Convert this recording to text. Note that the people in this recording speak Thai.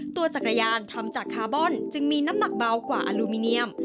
ตัวจักรยานทำจากคาร์บอนจึงมีน้ำหนักเบากว่าอลูมิเนียม